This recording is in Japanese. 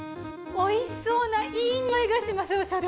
おいしそうないい匂いがしますよ社長。